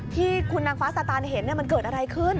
ที่คุณนางฟ้าสาตานเห็นมันเกิดอะไรขึ้น